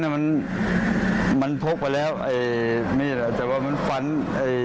มันมันพกไปแล้วไอ้นี่แหละแต่ว่ามันฝันไอ้